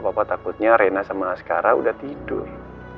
papa takutnya rena sama askara udah tidur